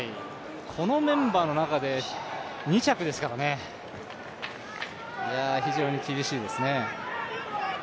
このメンバーの中で２着ですから、非常に厳しいですね。